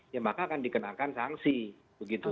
ya maka akan dikenakan sanksi begitu